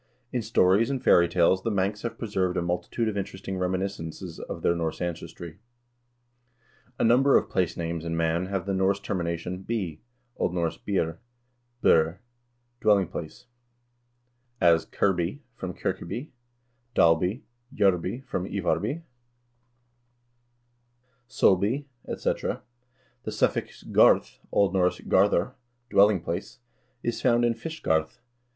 In stories and fairy tales the Manx have preserved a multitude of interesting reminiscences of their Norse ancestry. A number of place names in Man have the Norse termination by (= O. N.byr, beer = dwelling place), as Kirby from Kirkeby, Dalby, Jurby from Ivarby, Sulby, etc. The suffix garth (— O. N. garor = dwelling place) is found in Fish garth.